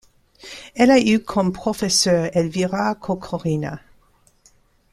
Elle a eu comme professeur Elvira Kolkorina.